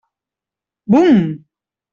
Bum!